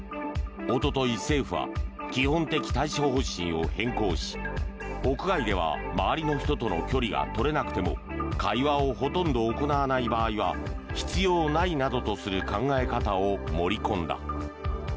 おととい政府は基本的対処方針を変更し屋外では周りの人との距離が取れなくても会話をほとんど行わない場合は必要ないなどとする考え方を盛り込んだ。